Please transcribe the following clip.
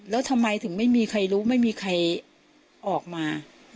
แล้วทำไมถึงไม่มีใครรู้ไม่มีใครออกมา